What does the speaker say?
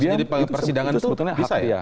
jadi pada persidangan itu sebetulnya hak ya